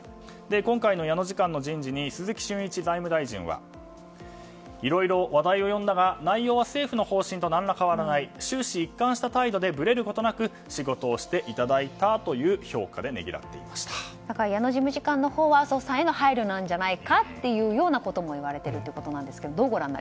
今回の矢野次官の人事に鈴木俊一財務相はいろいろ話題を呼んだが内容は政府の方針と何ら変わらない終始一貫した態度でぶれることなく仕事していただいたと矢野事務次官のほうは麻生さんへの配慮なんじゃないかとも言われていますが。